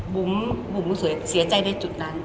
บุ๋มเสียใจในจุดนั้น